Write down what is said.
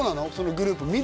グループＭ！